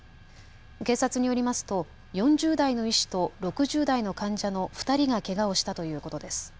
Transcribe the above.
警察によりますと４０代の医師と６０代の患者の２人がけがをしたということです。